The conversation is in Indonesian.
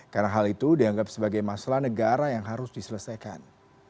karena hal itu dianggap sebagai masalah negara yang harus diselesaikan